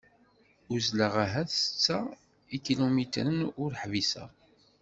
Uzzleɣ ahat setta ikilumitren ur ḥbiseɣ.